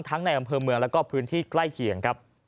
ทั้งในกำเภอเมืองและพื้นที่ใกล้เคียง